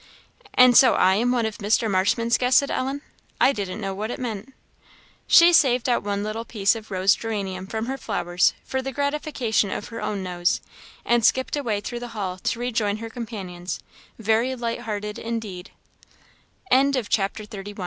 "And so I am one of Mr. Marshman's guests?" said Ellen, "I didn't know what it meant." She saved out one little piece of rose geranium from her flowers for the gratification of her own nose; and skipped away through the hall to rejoin her companions, very light hearted indeed. CHAPTER XXXII. The Bank Note and George Washington. New Year's morning dawned.